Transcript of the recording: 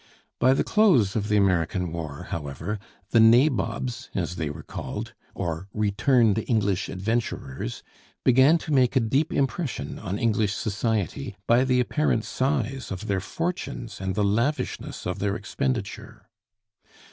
By the close of the American War, however, the "Nabobs," as they were called, or returned English adventurers, began to make a deep impression on English society by the apparent size of their fortunes and the lavishness of their expenditure.